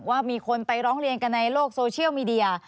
ว่ามีคนไปร้องเรียนกันในโลกโซเชียลมีเดีย